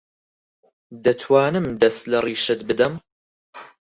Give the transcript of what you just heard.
دەتوانم دەست لە ڕیشت بدەم؟